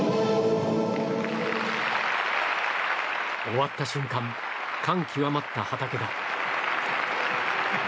終わった瞬間、感極まった畠田。